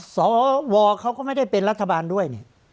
สวเขาก็ไม่ได้เป็นรัฐบาลด้วยเนี่ย